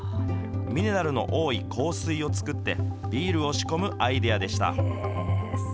ミネラルの多い硬水を作って、ビールを仕込むアイデアでした。